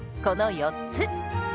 この４つ。